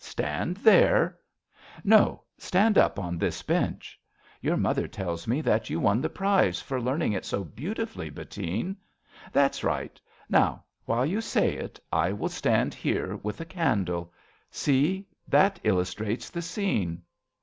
Stand there ! No, stand up on this bench. Your mother tells me that you won the prize For learning it so beautifully, Bettine. That's right. Now, while you say it, I will stand Here, with a candle. See, that illus trates The scene.